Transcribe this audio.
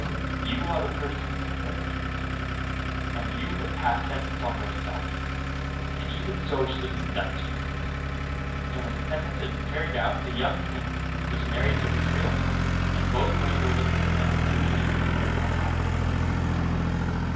"You are the person," said the King, "and you have passed sentence on yourself; and even so it shall be done to you." And when the sentence had been carried out the young King was married to his real bride, and both reigned over the kingdom in peace and happiness.